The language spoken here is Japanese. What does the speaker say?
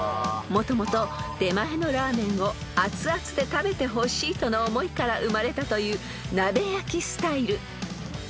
［もともと出前のラーメンを熱々で食べてほしいとの思いから生まれたという鍋焼きスタイル］